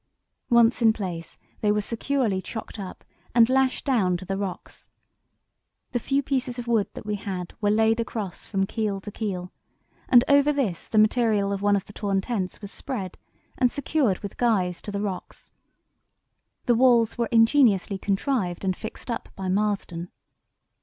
Once in place they were securely chocked up and lashed down to the rocks. The few pieces of wood that we had were laid across from keel to keel, and over this the material of one of the torn tents was spread and secured with guys to the rocks. The walls were ingeniously contrived and fixed up by Marston.